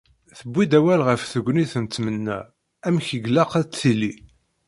Newwi-d awal ɣef tegnit n tmenna, amek i ilaq ad d-tili.